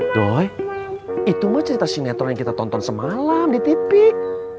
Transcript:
doy itu mah cerita sinetron yang kita tonton semalam di tipik